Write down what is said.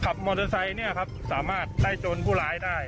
ขับมอเตอร์ไซค์สามารถได้โจรผู้ร้ายได้